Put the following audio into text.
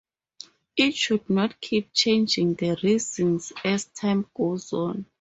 It should not keep changing the reasons as time goes on.